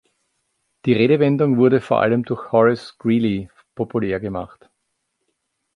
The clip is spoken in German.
Die Redewendung wurde vor allem durch Horace Greeley populär gemacht.